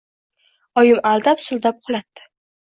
Oyim aldab-suldab uxlatdi.